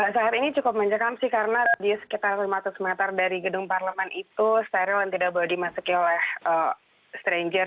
saat ini cukup mencekam sih karena di sekitar lima ratus meter dari gedung parlemen itu steril dan tidak boleh dimasuki oleh stranger